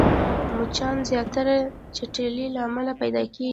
مچان زياتره د چټلۍ له امله پيدا کېږي